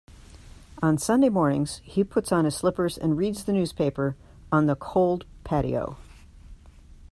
On Sunday mornings, he puts on his slippers and reads the newspaper on the cold patio.